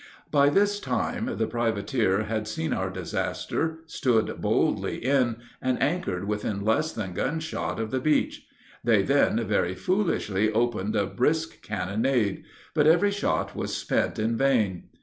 By this time the privateer had seen our disaster stood boldly in, and anchored within less than gun shot of the beach; they then very foolishly opened a brisk cannonade; but every shot was spent in vain.